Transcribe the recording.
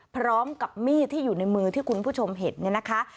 พร้อมกับมีดที่อยู่ในมือที่คุณผู้ชมเห็นเนี่ยนะคะ